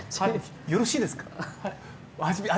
よろしいですか？